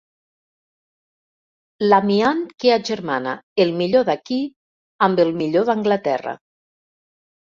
L'amiant que agermana el millor d'aquí amb el millor d'Anglaterra.